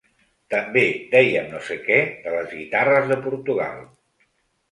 També dèiem no sé què de les guitarres de Portugal.